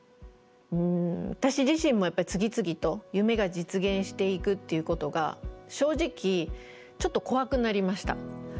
私自身もやっぱり次々と夢が実現していくっていうことが正直ちょっと怖くなりました。